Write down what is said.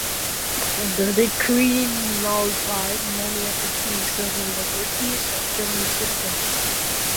The decree nullified many of the key civil liberties of German citizens.